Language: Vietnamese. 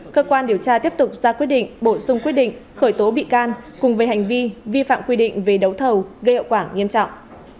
cơ quan điều tra tiếp tục ra quyết định bổ sung quyết định khởi tố bị can cùng về hành vi vi phạm quy định về đấu thầu gây hậu quả nghiêm trọng